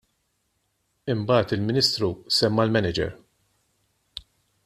Imbagħad il-Ministru semma l-manager.